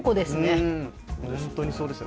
本当にそうです。